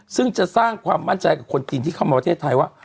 ซึ่งจะสร้างความมั่นใจกับคนจีนที่เข้ามาประเทศไทยว่า